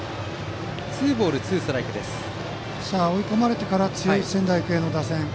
追い込まれてから強い仙台育英の打線。